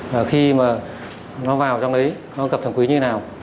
và khi mà nó vào trong đấy nó gặp thằng quý như thế nào